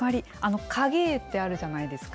影絵ってあるじゃないですか。